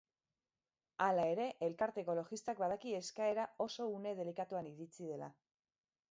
Hala ere, elkarte ekologistak badaki eskaera oso une delikatuan iritsi dela.